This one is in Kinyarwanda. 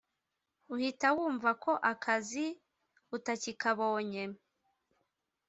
uhita wumva ko akazi utakikabonye